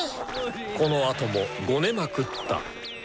このあともごねまくった。